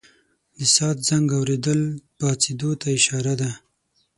د ساعت زنګ اورېدل پاڅېدو ته اشاره ده.